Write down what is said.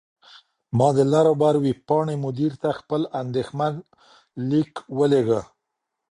ما د «لر او بر» ویبپاڼې مدیر ته خپل اندیښمن لیک ولیږه.